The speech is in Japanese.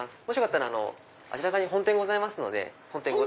もしよかったらあちらに本店がございますので。